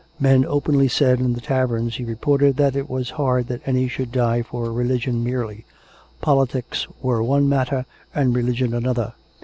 Men openly said in the taverns, he reported, that it was hard that any should die for re ligion merely; politics were one matter and religion an other.